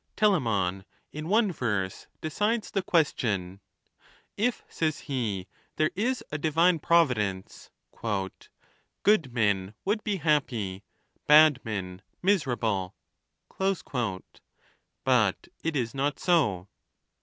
Telaraon in one verse decides the question. If, says he, there is a Divine Providence, Good men would be happy, bad men miserable. But it is not so.